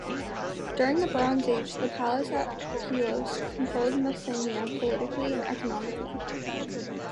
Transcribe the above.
During the Bronze Age the palace at Pylos controlled Messenia politically and economically.